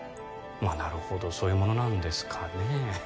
まあなるほどそういうものなんですかね